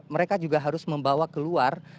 mereka juga harus membawa keluar